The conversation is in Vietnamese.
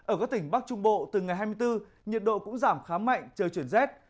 ở các tỉnh bắc trung bộ từ ngày hai mươi bốn nhiệt độ cũng giảm khá mạnh trời chuyển rét